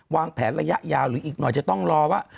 วางแผนระยะยาวหรืออีกหน่อยจะต้องรอว่า